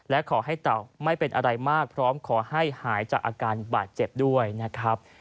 และขอให้เต่าไม่เป็นอะไรมากพร้อมขอให้หายจากอาการบาดเจ็บด้วยนะครับ